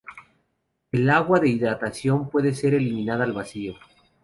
El agua de hidratación puede ser eliminada al vacío.